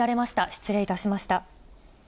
失礼いたしました。